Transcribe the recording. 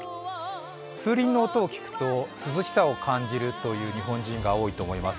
風鈴の音を聞くと涼しさを感じるという日本人が多いと思います。